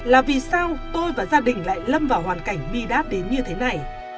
là vì sao tôi và gia đình lại lâm vào hoàn cảnh bi đát đến như thế này